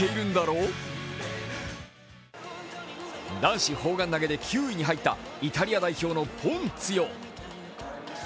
男子砲丸投で９位に入ったイタリア代表のポンツィオ。